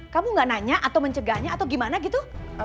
kamu gak nanya atau mencegahnya atau gimana gitu